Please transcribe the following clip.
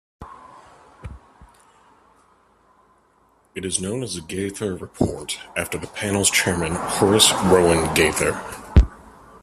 It is known as the Gaither Report after the panel's chairman Horace Rowan Gaither.